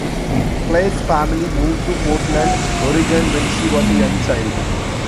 Claire's family moved to Portland Oregon when she was a young child.